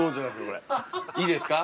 これいいですか？